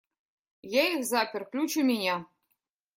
Я их запер, ключ у меня.